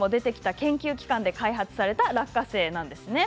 研究機関で開発された落花生なんですね。